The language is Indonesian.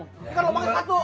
kan lobangnya satu